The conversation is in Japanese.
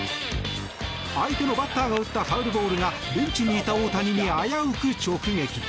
相手のバッターが打ったファウルボールがベンチにいた大谷に危うく直撃。